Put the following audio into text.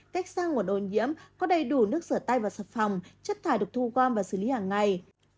cách sang nguồn ô nhiễm có đầy đủ nước sửa tay và sập phòng chất thải được thu gom và xử lý hàng ngày